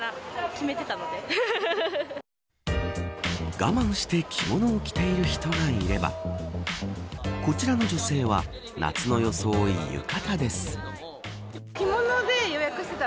我慢して着物を着ている人がいればこちらの女性は、夏の装い浴衣です。